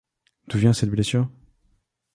D’où vient cette blessure ?